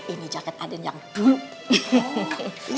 ini jaket aden yang dulu